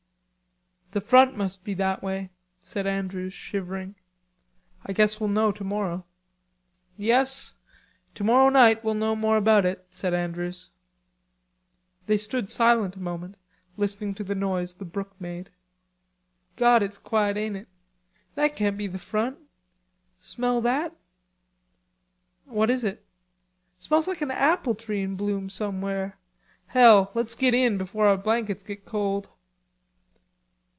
"The front must be that way," said Andrews, shivering. "I guess we'll know tomorrow." "Yes; tomorrow night we'll know more about it," said Andrews. They stood silent a moment listening to the noise the brook made. "God, it's quiet, ain't it? This can't be the front. Smell that?" "What is it?" "Smells like an apple tree in bloom somewhere.... Hell, let's git in, before our blankets git cold."